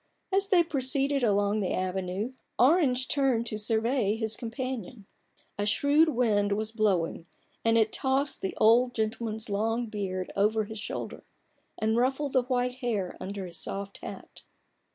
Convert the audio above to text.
As they proceeded along the avenue, Orange turned to survey his companion. A shrewd wind was blowing, and it tossed the old gentleman's long beard over his shoulder, and ruffled the white hair under his soft hat.